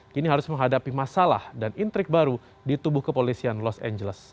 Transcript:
kini harus menghadapi masalah dan intrik baru di tubuh kepolisian los angeles